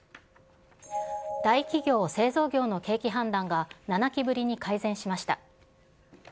大企業、製造業の景気判断が、７期ぶりに改善しました。